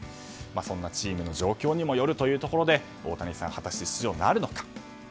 そんなチームの状況にもよるということで大谷さん、果たして出場なるのか。